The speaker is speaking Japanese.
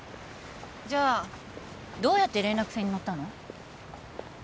じゃあどうやって連絡船に乗ったの？